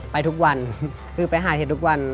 ไปทุกวันคือไปหาเห็ดทุกวัน